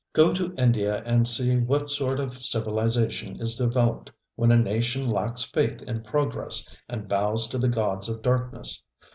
Go to India and see what sort of civilization is developed when a nation lacks faith in progress and bows to the gods of darkness.